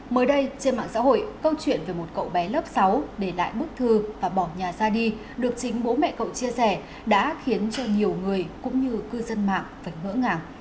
mới đây trên mạng xã hội câu chuyện về một cậu bé lớp sáu để lại bức thư và bỏ nhà ra đi được chính bố mẹ cậu chia sẻ đã khiến cho nhiều người cũng như cư dân mạng phải ngỡ ngàng